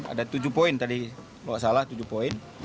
ada tujuh poin tadi kalau salah tujuh poin